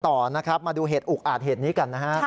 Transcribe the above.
ต่อนะครับมาดูเหตุอุกอาจเหตุนี้กันนะฮะ